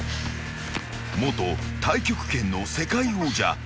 ［元太極拳の世界王者］